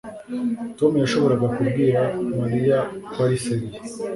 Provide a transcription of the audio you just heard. Tom yashoboraga kubwira Mariya ko ari serieux